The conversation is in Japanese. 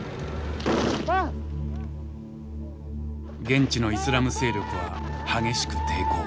現地のイスラム勢力は激しく抵抗。